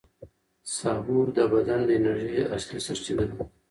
سحور د بدن د انرژۍ اصلي سرچینه ده.